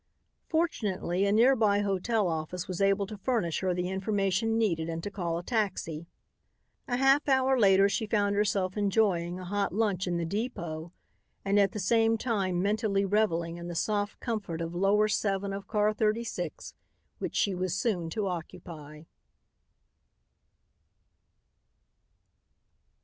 Fortunately, a near by hotel office was able to furnish her the information needed and to call a taxi. A half hour later she found herself enjoying a hot lunch in the depot and at the same time mentally reveling in the soft comfort of "Lower 7" of car 36, which she was soon to occupy.